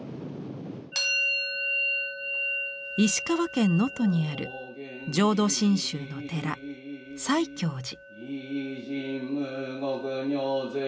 石川県能登にある浄土真宗の寺西教寺。